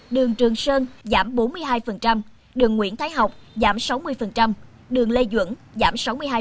đường trường sơn giảm bốn mươi hai đường nguyễn thái học giảm sáu mươi đường lê duẩn giảm sáu mươi hai